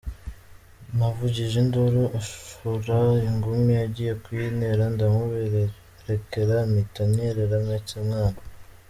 Navugije induru ashora ingumi agiye kuyintera ndamubererekera mpita nyerera mpetse umwana.